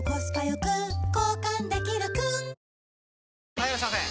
・はいいらっしゃいませ！